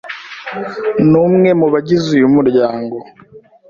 Ni umwe mu bagize uyu muryango.